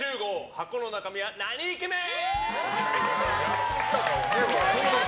箱の中身はなにイケメン？